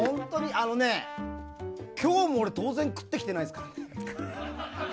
あのね今日も俺当然食ってきてないですから。